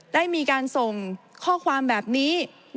ได้มีการส่งข้อความแบบนี้